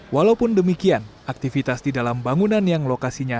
walaupun demikian aktivitas di dalam bangunan yang lokasinya